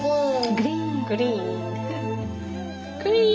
グリーン。